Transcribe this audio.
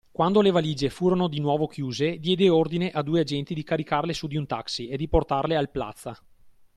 Quando le valige furono di nuovo chiuse, diede ordine a due agenti di caricarle su di un taxi e di portarle al Plaza.